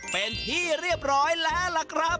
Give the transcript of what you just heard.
เป็นที่เรียบร้อยแล้วล่ะครับ